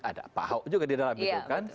ada pak ahok juga di dalam itu kan